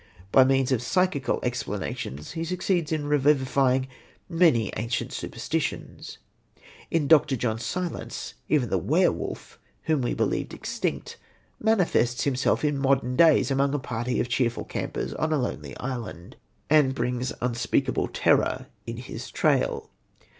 By means of psychical explanations, he succeeds in revivifying many ancient superstitions. In Dr. John Silence, even the werewolf, whom we believed extinct, manifests himself in modern days among a party of cheerful campers on a lonely island, and brings unspeakable terror in his trail.